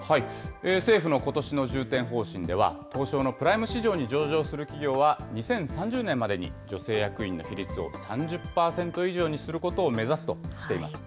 政府のことしの重点方針では、東証のプライム市場に上場する企業は、２０３０年までに女性役員の比率を３０％以上にすることを目指すとしています。